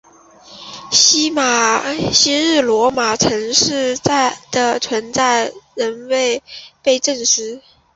昔日罗马城市的存在仍未被证实。